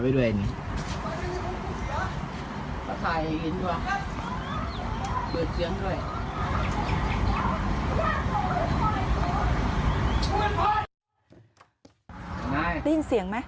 ได้ยินเสียงไหม